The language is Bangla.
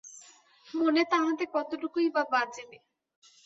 মনে তাহাতে কতটুকুই বা বাজিবে।